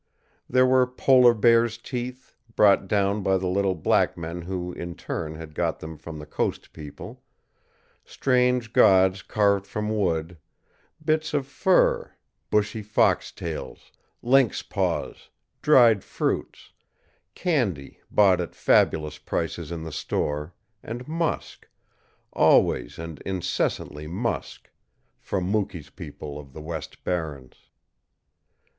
There were polar bears' teeth, brought down by the little black men who in turn had got them from the coast people; strange gods carved from wood; bits of fur, bushy fox tails, lynx paws, dried fruits, candy bought at fabulous prices in the store, and musk always and incessantly musk from Mukee's people of the west barrens.